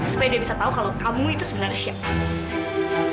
supaya dia bisa tahu kalau kamu itu sebenarnya siapa